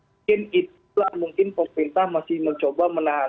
mungkin itu lah mungkin pemerintah masih mencoba menahan